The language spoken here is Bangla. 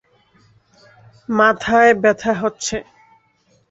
মাথায় ব্যথা হচ্ছে।